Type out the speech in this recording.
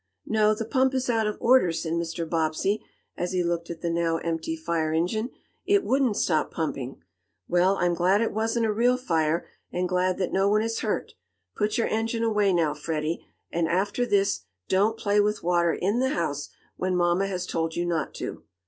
"No, the pump is out of order," said Mr. Bobbsey, as he looked at the now empty fire engine. "It wouldn't stop pumping. Well, I'm glad it wasn't a real fire, and glad that no one is hurt. Put your engine away now, Freddie, and, after this, don't play with water in the house, when mamma has told you not to."